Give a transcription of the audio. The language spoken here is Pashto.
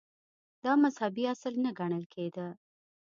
• دا مذهبي اصل نه ګڼل کېده.